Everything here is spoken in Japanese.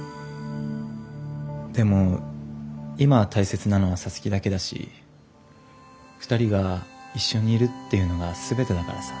でも今大切なのは皐月だけだし２人が一緒にいるっていうのが全てだからさ。